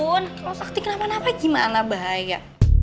kalau sakti kenapa napa gimana bahaya